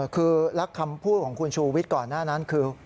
คือแล้วคำพูดของคุณชูวิทย์ก่อนหน้านั้นคือ